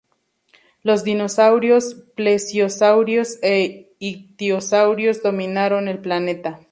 Los dinosaurios, plesiosaurios e ictiosaurios dominaron el planeta.